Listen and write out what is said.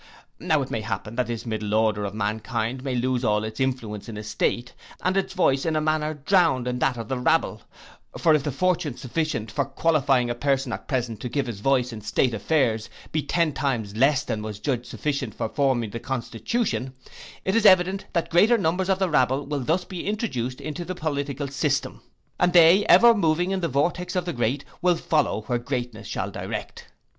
Now it may happen that this middle order of mankind may lose all its influence in a state, and its voice be in a manner drowned in that of the rabble: for if the fortune sufficient for qualifying a person at present to give his voice in state affairs, be ten times less than was judged sufficient upon forming the constitution, it is evident that greater numbers of the rabble will thus be introduced into the political system, and they ever moving in the vortex of the great, will follow where greatness shall direct.